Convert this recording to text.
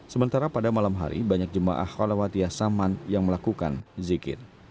sementara pada malam hari banyak jemaah khalawatiyah saman yang melakukan zikir